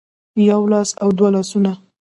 يو لاس او دوه لاسونه